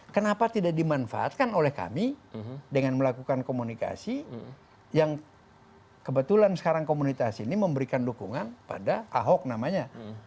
kenapa tidak dimanfaatkan oleh kami dengan melakukan komunikasi yang kebetulan sekarang komunitas ini memberikan dukungan pada ahok namanya